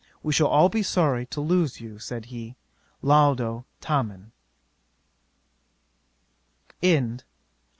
"We shall all be sorry to lose you," said he: "laudo tamen."'